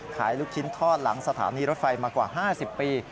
ลูกชิ้นทอดหลังสถานีรถไฟมากว่า๕๐ปี